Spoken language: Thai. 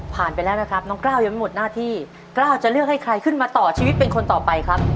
ไปแล้วนะครับน้องกล้าวยังไม่หมดหน้าที่กล้าจะเลือกให้ใครขึ้นมาต่อชีวิตเป็นคนต่อไปครับ